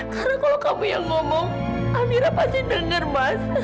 karena kalau kamu yang ngomong amira pasti denger mas